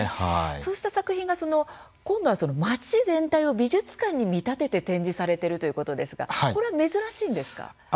そうした作品が今度は街全体を美術館に見立てて展示されているということですがこれは珍しいんですか？